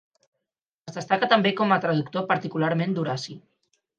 Es destaca també com a traductor, particularment d'Horaci.